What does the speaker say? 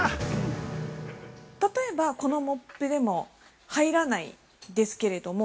◆例えば、このモップでも、入らないですけれども。